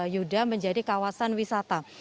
yudha menjadi kawasan wisata